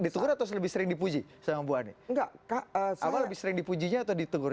ditegur atau lebih sering dipuji sama bu ani enggak kakak sama lebih sering dipujinya atau ditegur